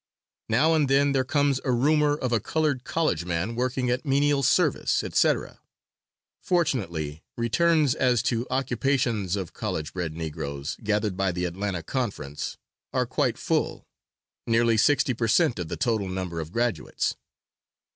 Now and then there comes a rumor of a colored college man working at menial service, etc. Fortunately, returns as to occupations of college bred Negroes, gathered by the Atlanta conference, are quite full nearly sixty per cent. of the total number of graduates.